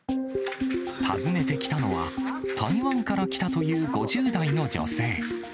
訪ねてきたのは、台湾から来たという５０代の女性。